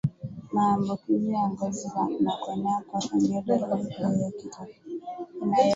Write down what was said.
Maambukizi ya ngozi na kuenea kwake ndio dalili kuu ya kitabibu inayoonekana